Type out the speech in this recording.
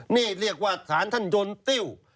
นี่เรียกว่าสารท่านยนติ้ว